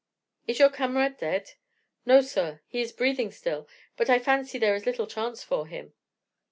Is your comrade dead?' "'No, sir, he is breathing still; but I fancy there is little chance for him.'